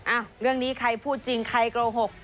เรื่องนี้ใครพูดจริงใครโกหก